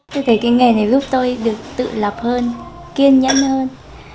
tôi thấy cái nghề này giúp tôi được tự lập hơn kiên nhẫn hơn